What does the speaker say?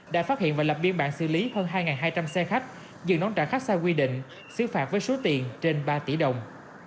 đã phát hiện và lập biên bản xử lý hơn hai hai trăm linh xe khách dừng đón trả khách sai quy định xứ phạt với số tiền trên ba tỷ đồng